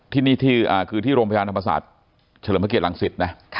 ที่นี่คือที่โรงพยาบาลธรรมศาสตร์เฉลิมพระเกียรังสิตนะ